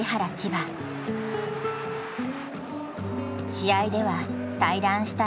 試合では退団した